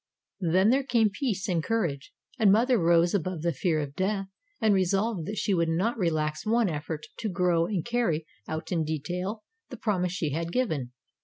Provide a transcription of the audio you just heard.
"Then there came peace and courage, and mother rose above the fear of death and resolved that she would not relax one effort to grow and carry out in detail the promise she had given.